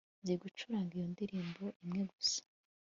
nzi gucuranga iyo ndirimbo imwe gusa